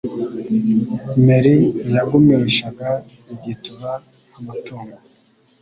meri yagumishaga igituba nkamatungo